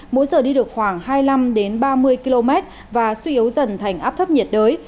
mỗi giờ đi được khoảng hai mươi năm ba mươi km và suy yếu dần thành áp thấp nhiệt đới